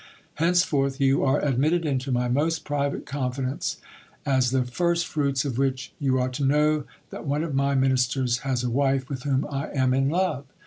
Henceforth you are admitted into my most private confidence, is the first fruits of which, you are to know that one of my ministers has a wife, with whom I am in love.